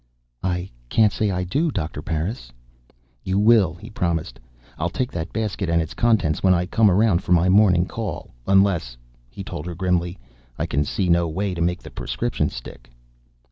"I can't say I do, Dr. Parris." "You will," he promised. "I'll take that basket and its contents when I come around for my morning call. Unless," he told her grimly, "I can see my way to make the prescription stick."